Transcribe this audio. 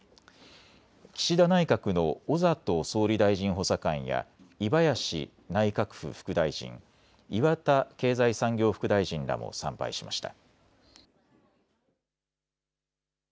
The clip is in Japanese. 岸田内閣の小里総理大臣補佐官や井林内閣府副大臣、岩田経済産業副大臣らも参拝しました。